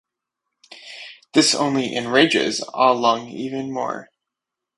This only enrages Ah Lung even more.